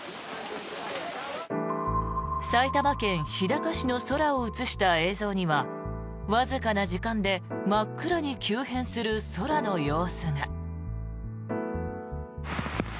埼玉県日高市の空を映した映像にはわずかな時間で真っ暗に急変する空の様子が。